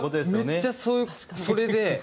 めっちゃそうそれで。